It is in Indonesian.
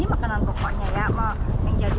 ini makanan pokoknya ya yang jadi